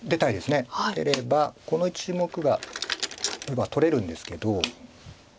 出ればこの１目が取れるんですけど。